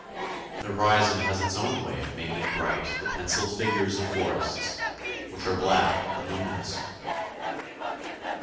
The horizon has its own way of making bright the pencilled figures of forests, which are black but luminous.